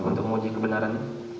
untuk uji kebenaran